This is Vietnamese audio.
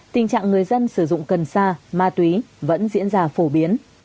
tình trạng người dân sử dụng cần sa ma túy vẫn diễn ra phổ biến